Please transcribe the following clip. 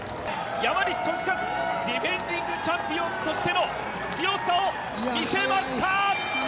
山西利和、ディフェンディングチャンピオンとしての強さを見せました！